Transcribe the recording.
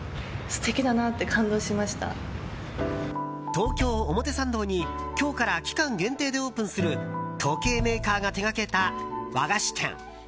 東京・表参道に今日から期間限定でオープンする時計メーカーが手掛けた和菓子店。